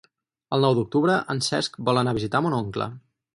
El nou d'octubre en Cesc vol anar a visitar mon oncle.